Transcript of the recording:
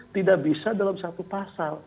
tidak bisa dalam satu pasal